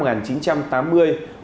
hội khóa học tài năng